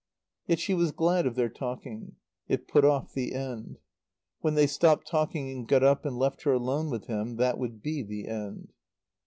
Yet she was glad of their talking. It put off the end. When they stopped talking and got up and left her alone with him, that would be the end.